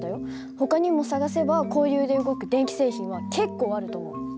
ほかにも探せば交流で動く電気製品は結構あると思う。